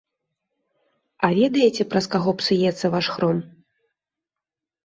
А ведаеце, праз каго псуецца ваш хром?